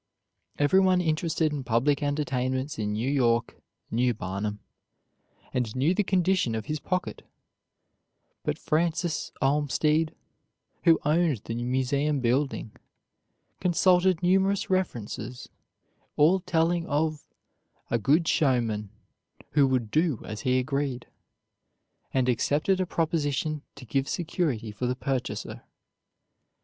Everyone interested in public entertainments in New York knew Barnum, and knew the condition of his pocket; but Francis Olmstead, who owned the Museum building, consulted numerous references all telling of "a good showman, who would do as he agreed," and accepted a proposition to give security for the purchaser.